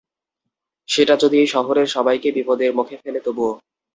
সেটা যদি এই শহরের সবাইকে বিপদের মুখে ফেলে তবুও?